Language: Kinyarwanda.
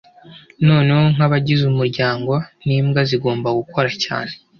Noneho nkabagize umuryango nimbwa zigomba gukora cyane